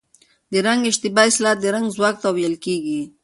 د رنګ اشباع اصطلاح د رنګ ځواک ته ویل کېږي.